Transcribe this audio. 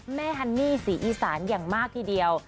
ฮันนี่ศรีอีสานอย่างมากทีเดียว